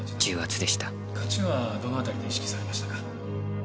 勝ちはどの辺りで意識されましたか？